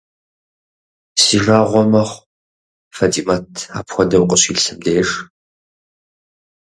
Си жагъуэ мэхъу Фатӏимэт апхуэдэу къыщилъым деж.